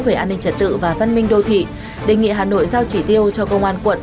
về an ninh trật tự và văn minh đô thị đề nghị hà nội giao chỉ tiêu cho công an quận